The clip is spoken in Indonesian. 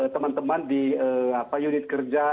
teman teman di unit kerja